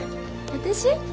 私？